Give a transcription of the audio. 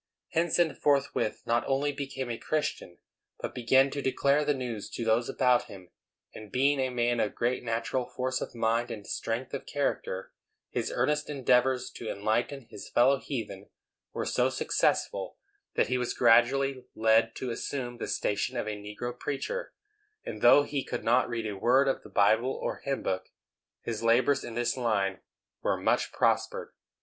Henson forthwith not only became a Christian, but began to declare the news to those about him; and, being a man of great natural force of mind and strength of character, his earnest endeavors to enlighten his fellow heathen were so successful that he was gradually led to assume the station of a negro preacher; and though he could not read a word of the Bible or hymn book, his labors in this line were much prospered.